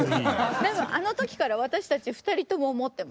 でもあの時から私たち２人とも思ってます。